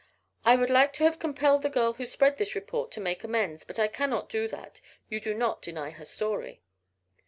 I would like to have compelled the girl who spread this report to make amends, but I cannot do that. You do not deny her story."